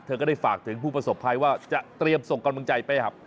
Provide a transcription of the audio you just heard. ก็ได้ฝากถึงผู้ประสบภัยว่าจะเตรียมส่งกำลังใจไปครับ